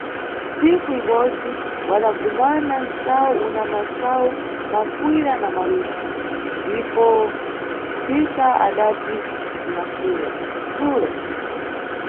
Nsiku ibodzi, wadagumana msayu una masayu mafuyira na mawisi, ndipo ndipo thika adati kuna sulo: Sulo!